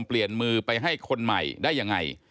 เปลี่ยนมือไปให้คนใหม่ได้ยังไง